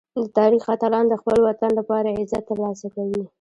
د تاریخ اتلان د خپل وطن لپاره عزت ترلاسه کوي.